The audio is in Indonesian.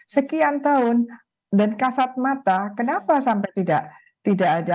sekian tahun dan kasat mata kenapa sampai tidak ada